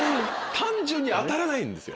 単純に当たらないんですよ。